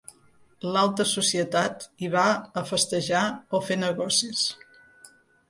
L'alta societat hi va a festejar o fer negocis.